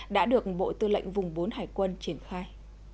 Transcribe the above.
đã được bộ tư lệnh vùng bốn hải quân triển khai